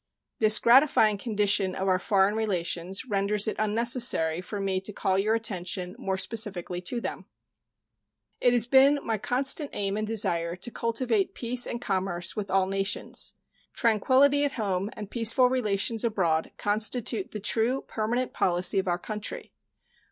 This gratifying condition of our foreign relations renders it unnecessary for me to call your attention more specifically to them. It has been my constant aim and desire to cultivate peace and commerce with all nations. Tranquility at home and peaceful relations abroad constitute the true permanent policy of our country.